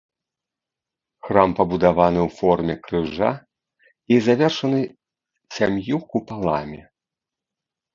Храм пабудаваны ў форме крыжа і завершаны сям'ю купаламі.